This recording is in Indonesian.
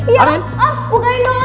iya om om bukain dong om